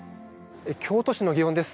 京都市の祇園です。